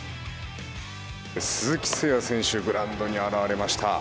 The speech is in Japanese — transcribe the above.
鈴木誠也選手がグラウンドに現れました。